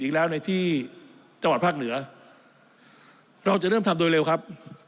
อีกแล้วในที่จังหวัดภาคเหนือเราจะเริ่มทำโดยเร็วครับ